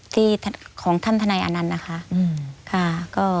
ที่ของท่านทนายอนันต์นะคะ